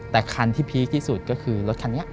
แต่คันที่พีคที่สุดก็คือรถคันนี้